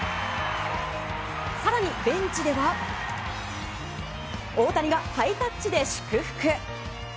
更にベンチでは大谷がハイタッチで祝福。